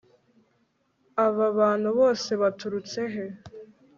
aba bantu bose baturutse he